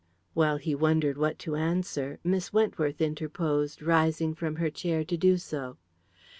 While he wondered what to answer, Miss Wentworth interposed, rising from her chair to do so.